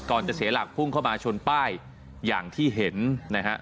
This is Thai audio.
จะเสียหลักพุ่งเข้ามาชนป้ายอย่างที่เห็นนะฮะ